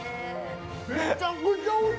めちゃくちゃおいしい。